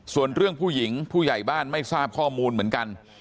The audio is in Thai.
ส่วนเรื่องผู้หญิงผู้ใหญ่บ้านไม่ทราบข้อมูลเหมือนกัน